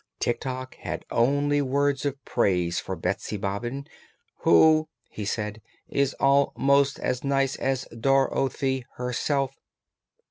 Tik Tok had only words of praise for Betsy Bobbin, "who," he said, "is al most as nice as Dor o thy her self."